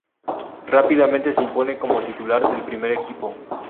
Rápidamente se impone como titular del primer equipo.